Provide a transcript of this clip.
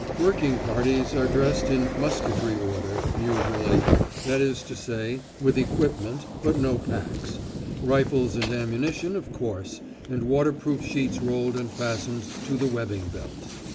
Working parties are dressed in "musketry order" usually that is to say, with equipment, but no packs; rifles and ammunition, of course, and waterproof sheets rolled and fastened to the webbing belt.